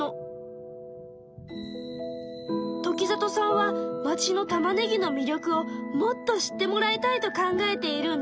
時里さんは町のたまねぎのみりょくをもっと知ってもらいたいと考えているんだ。